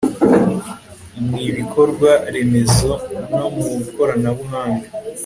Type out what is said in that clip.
mu ibikorwa remezo, no mu ikoranabuhanga